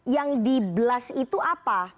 yang di blast itu apa